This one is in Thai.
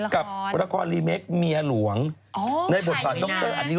กับละครรีเมคเมียหลวงในบทธารณ์ต้องเติ้ลอันนี้